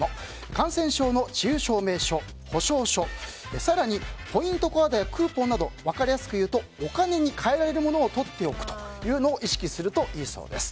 感染症の治癒証明書、保証書更にポイントカードなど分かりやすく言えばお金に換えられるものを取っておくことを意識するといいそうです。